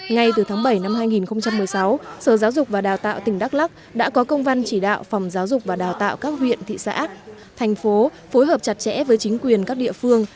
ngay từ tháng bảy năm hai nghìn một mươi sáu sở giáo dục và đào tạo tỉnh đắk lắc đã có công văn chỉ đạo phòng giáo dục và đào tạo các huyện thị xã thành phố phối hợp chặt chẽ với chính quyền các địa phương